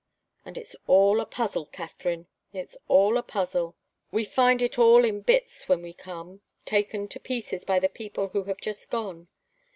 And it's all a puzzle, Katharine. It's all a puzzle. We find it all in bits when we come, taken to pieces by the people who have just gone.